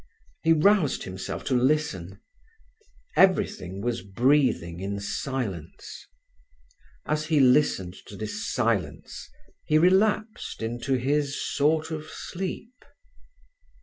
He roused himself to listen. Everything was breathing in silence. As he listened to this silence he relapsed into his sort of sleep.